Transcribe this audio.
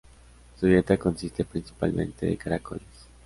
Su dieta consiste principalmente de caracoles.